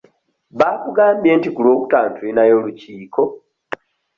Baakugambye nti ku lwokutaano tulinayo olukiiko?